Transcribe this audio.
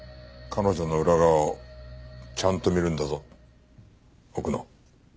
彼女の裏側をちゃんと見るんだぞ奥野。